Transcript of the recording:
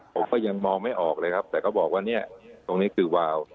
ผมก็ยังมองไม่ออกเลยครับแต่ก็บอกว่าเนี่ยตรงนี้คือวาว